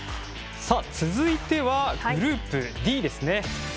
さあ続いてはグループＤですね。